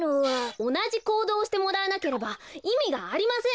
おなじこうどうをしてもらわなければいみがありません！